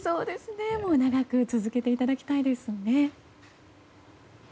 長く続けていただきたいですね。